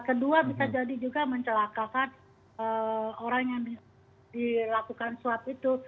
kedua bisa jadi juga mencelakakan orang yang dilakukan swab itu